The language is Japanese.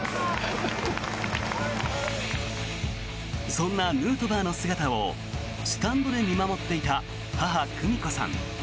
そんなヌートバーの姿をスタンドで見守っていた母・久美子さん。